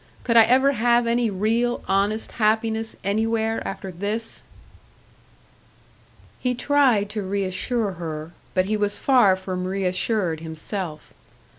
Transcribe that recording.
Could I ever have any real, honest happiness anywhere after this?" He tried to reassure her, but he was far from reassured himself.